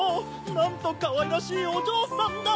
なんとかわいらしいおじょうさんだ！